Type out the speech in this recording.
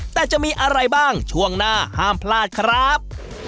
แต่จะมีอะไรบ้างช่วงหน้าห้ามพลาดครับ